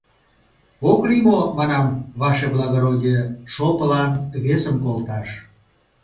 — Ок лий мо, манам, ваше благородие, шопылан весым колташ?